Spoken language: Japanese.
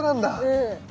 うん。